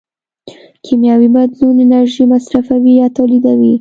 کیمیاوي بدلون انرژي مصرفوي یا تولیدوي.